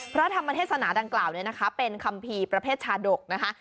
พระธรรมเทศนาดังกล่าวเนี่ยนะคะเป็นคัมภีร์ประเภทชาดกนะคะ